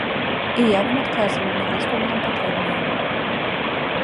І я вам адказваю, навошта вы нам патрэбныя.